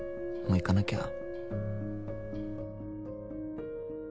もう行かなきゃ